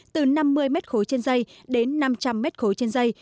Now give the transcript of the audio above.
từ năm mươi m khối trên dây đến năm trăm linh m khối trên dây